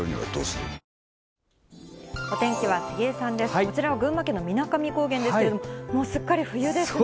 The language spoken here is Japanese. こちらは群馬県の水上高原ですけれども、もうすっかり冬ですね。